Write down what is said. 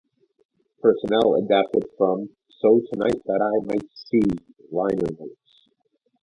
Personnel adapted from "So Tonight That I Might See" liner notes.